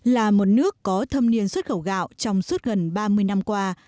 là một nước có thâm niên xuất khẩu gạo trong suốt gần ba mươi năm qua